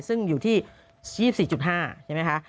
ซึ่งอยู่ที่๒๔๕ใช่ไหมคะ